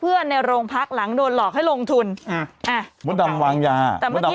เอากระดาษมาดูใช่ไหมเอาปากกามาวง